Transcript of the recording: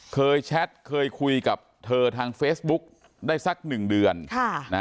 เคยแชทเคยคุยกับเธอทางเฟสบุ๊คได้สัก๑เดือน